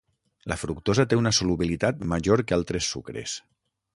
La fructosa té una solubilitat major que altres sucres.